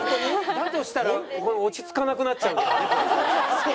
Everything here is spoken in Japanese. だとしたら落ち着かなくなっちゃうんだよね。